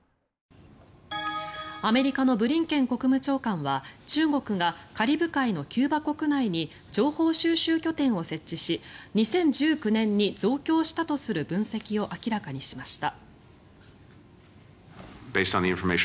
アメリカのブリンケン国務長官は中国がカリブ海のキューバ国内に情報収集拠点を設置し２０１９年に増強したとする分析を明らかにしました。